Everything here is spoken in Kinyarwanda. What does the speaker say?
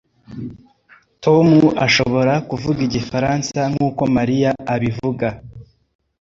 Tom ashobora kuvuga igifaransa nkuko Mariya abivuga